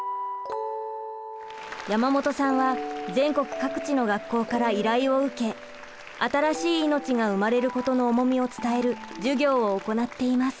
山本さんは全国各地の学校から依頼を受け新しい命が生まれることの重みを伝える授業を行っています。